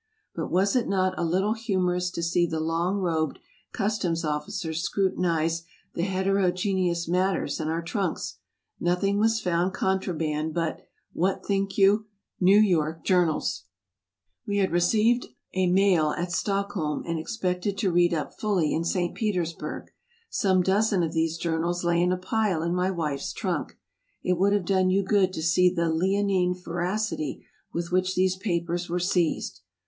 But was it not a little humorous to see the long robed customs' officers scrutinize the heterogeneous matters in our trunks ? Nothing was found contraband but — what think you ?— New York journals ! We had received a mail at Stockholm, and expected to read up fully in St. Petersburg. Some dozen of these jour nals lay in a pile in my wife's trunk. It would have done you good to see the leonine voracity with which these papers were seized.